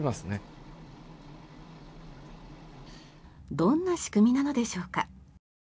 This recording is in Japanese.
どんな仕組みなのでしょうか。